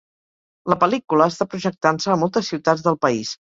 La pel·lícula està projectant-se a moltes ciutats del país.